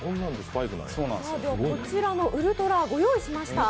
こちらのウルトラ、ご用意しました。